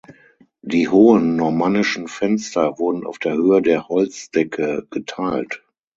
Die hohen normannischen Fenster wurden auf der Höhe der Holzdecke geteilt.